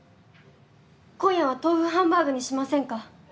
今夜は豆腐ハンバーグにしませんか？